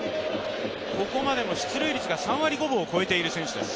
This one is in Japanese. ここまでも出塁率が３割５分を超えている選手手す。